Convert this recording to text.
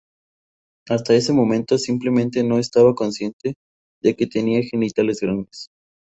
Hasta ese momento, simplemente no estaba consciente de que tenía genitales grandes.